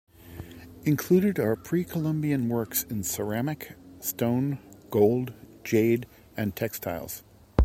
Included are pre-Columbian works in ceramic, stone, gold, jade and textiles.